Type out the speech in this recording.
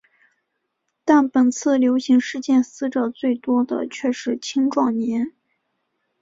但本次流行事件死者最多的却是青壮年。